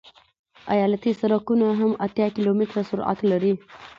ایالتي سرکونه هم اتیا کیلومتره سرعت لري